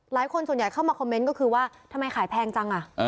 หลายคนส่วนใหญ่เข้ามาคอมเมนต์ก็คือว่าทำไมขายแพงจัง